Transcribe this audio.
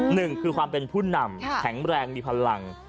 หนึ่งคือความเป็นผู้นำแข็งแรงมีพลัง